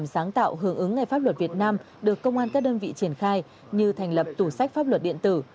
để tìm sáng tạo hướng ứng ngay pháp luật việt nam được công an các đơn vị triển khai như thành lập tủ sách pháp luật điện tử